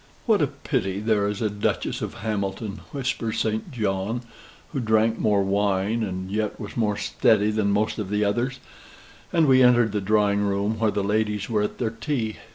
"What a pity there is a Duchess of Hamilton," whispers St. John, who drank more wine and yet was more steady than most of the others, and we entered the drawing room where the ladies were at their tea.